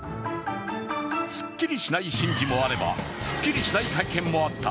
すっきりしない神事もあればすっきしりない会見もあった。